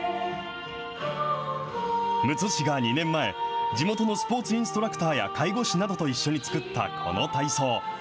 むつ市が２年前、地元のスポーツインストラクターや介護士などと一緒に作ったこの体操。